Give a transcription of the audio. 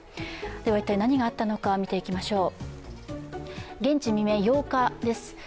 一体何があったのか見ていきましょう。